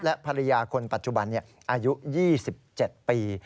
และภรรยาคนปัจจุบันอายุ๒๗ปี